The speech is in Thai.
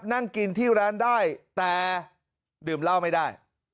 นั่งกินที่ร้านได้แต่ดื่มเหล้าไม่ได้